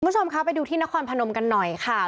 คุณผู้ชมคะไปดูที่นครพนมกันหน่อยค่ะ